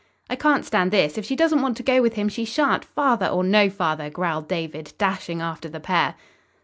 "I can't stand this! If she doesn't want to go with him, she shan't, father or no father," growled David, dashing after the pair.